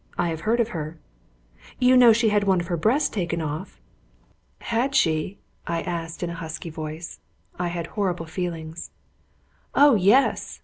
I have heard of her." "You know she had one of her breasts taken off?" "Had she?" I asked, in a husky voice. I had horrible feelings. "Oh, yes!"